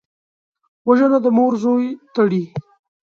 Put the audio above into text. وژنه د مور زوی تړي